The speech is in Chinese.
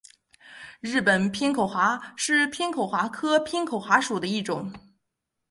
日本偏口蛤是偏口蛤科偏口蛤属的一种。